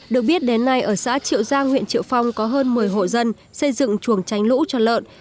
được biết đến nay ở xã triệu giang huyện triệu phong có hơn một mươi hộ dân xây dựng chuồng tránh lũ cho lợn